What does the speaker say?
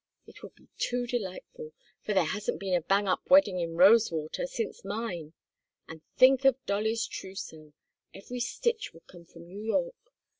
It would be too delightful, for there hasn't been a bang up wedding in Rosewater since mine. And think of Dolly's trousseau! Every stitch would come from New York.